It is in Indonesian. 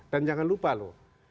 dan jangan lupa loh